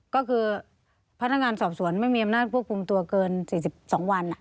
ก็คือพนักงานสอบสวนไม่มีอำนาจควบคุมตัวเกิน๔๒วัน